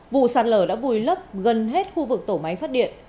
vụ sạt lở đã vùi lấp gần hết khu vực tổ máy phát điện